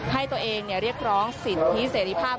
ให้ตัวเองเรียกร้องสิทธิเสรีภาพ